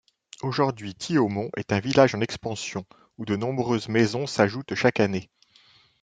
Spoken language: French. Aujourd'hui, Thiaumont est un village en expansion où de nombreuses maisons s'ajoutent chaque année.